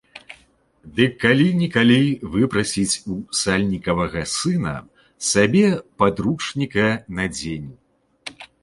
Дык калі-нікалі выпрасіць у сальнікавага сына сабе падручніка на дзень.